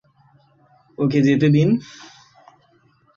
ওকে যেতে দিন।